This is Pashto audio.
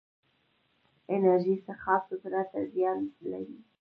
انرژي څښاک زړه ته زیان لري